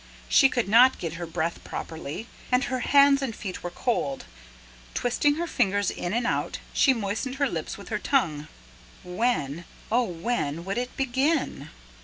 She could not get her breath properly, and her hands and feet were cold. Twisting her fingers, in and out, she moistened her lips with her tongue. When, oh, when would it begin?